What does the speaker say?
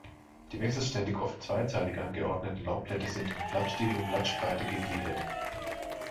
Die wechselständig, oft zweizeilig angeordneten Laubblätter sind in Blattstiel und Blattspreite gegliedert.